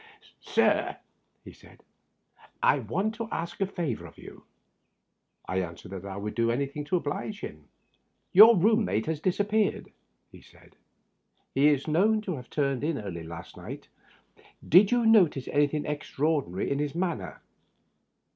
"Sir," said he, "I want to ask a favor of you." I answered that I would do anything to oblige him. "Tour room mate has disappeared," he said. "He is known to have turned in early last night. Did you notice anything extraordinary in his manner?"